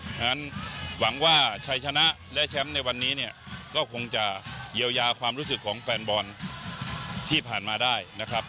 ฉะนั้นหวังว่าชัยชนะและแชมป์ในวันนี้เนี่ยก็คงจะเยียวยาความรู้สึกของแฟนบอลที่ผ่านมาได้นะครับ